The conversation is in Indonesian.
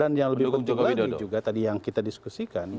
dan yang lebih penting lagi juga tadi yang kita diskusikan